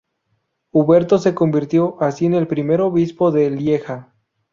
Huberto se convirtió así en el primer obispo de Lieja.